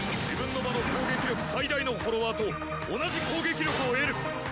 自分の場の攻撃力最大のフォロワーと同じ攻撃力を得る！